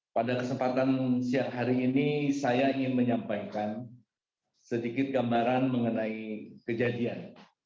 pada kesempatan siang hari ini saya ingin menyampaikan sedikit gambaran mengenai kejadian